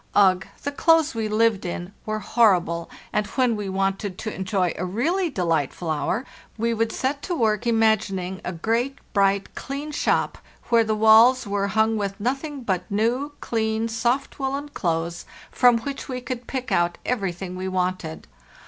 Ugh, the clothes we lived in were horrible! and when we wanted to enjoy a really delightful hour we would set to work imagining a great, bright, clean shop, where the walls were hung with nothing but new, clean, soft woollen clothes, from which we could pick out everything we wanted.